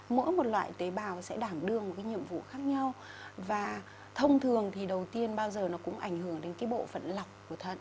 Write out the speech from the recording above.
mỗi một loại tế bào sẽ đảm đương một cái nhiệm vụ khác nhau và thông thường thì đầu tiên bao giờ nó cũng ảnh hưởng đến cái bộ phận lọc của thận